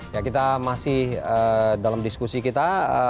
ya kita masih dalam diskusi kita